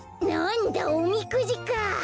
なんだおみくじか！